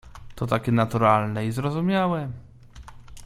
"To takie naturalne i zrozumiałe."